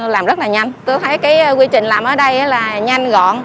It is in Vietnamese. làm rất là nhanh tôi thấy cái quy trình làm ở đây là nhanh gọn